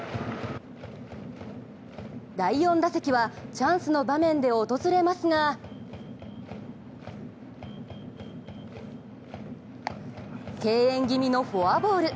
第４打席はチャンスの場面で訪れますが敬遠気味のフォアボール。